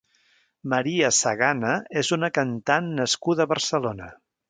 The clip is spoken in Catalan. María Sagana és una cantant nascuda a Barcelona.